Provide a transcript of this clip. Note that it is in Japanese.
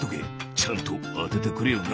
ちゃんとあててくれよな！」。